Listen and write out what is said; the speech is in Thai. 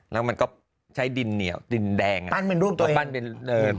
แล้วมันก็ใช้ดินเหนียวดินแดงปั้นเป็นรูปตัวปั้นเป็นเลย